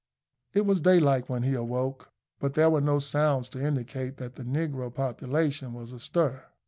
It was daylight when he awoke; but there were no sounds to indicate that the negro population was astir.